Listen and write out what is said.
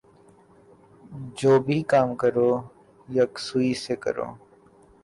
جو بھی کام کرو یکسوئی سے کرو